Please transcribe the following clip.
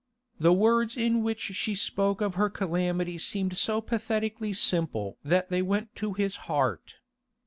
The words in which she spoke of her calamity seemed so pathetically simple that they went to his heart.